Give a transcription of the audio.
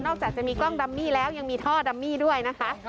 จากจะมีกล้องดัมมี่แล้วยังมีท่อดัมมี่ด้วยนะคะ